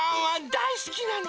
だいすきなの！